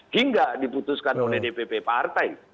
hingga diputuskan oleh dpp partai